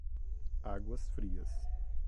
Águas Frias